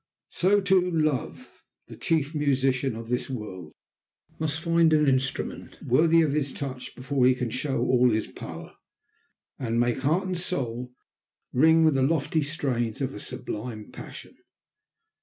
So, too, love, the chief musician of this world, must find an instrument worthy of his touch before he can show all his power, and make heart and soul ring with the lofty strains of a sublime passion.